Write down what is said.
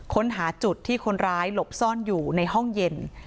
ค้นหาจุดที่คนร้ายหลบซ่อนอยู่ในห้องเย็น